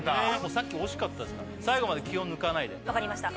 さっき惜しかったですから最後まで気を抜かないで分かりました